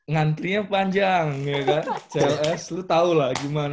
ngantrinya panjang ya kak cls lu tau lah gimana